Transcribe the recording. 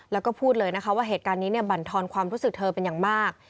แล้วก็พูดเลยนะคะว่าเหตุการณ์นี้บรรทอนความรู้สึกเธอเป็นอย่างมาก